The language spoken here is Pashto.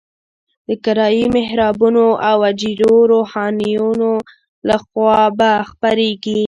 د کرایي محرابونو او اجیرو روحانیونو لخوا به خپرېږي.